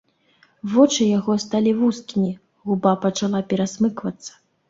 Вочы яго сталі вузкімі, губа пачала перасмыквацца.